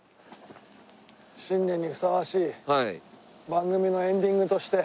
新年にふさわしい番組のエンディングとして。